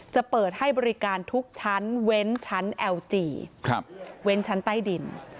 จะเปิดให้บริการทุกชั้นเว้นชั้นเอลจีเว้นชั้นใต้ดิน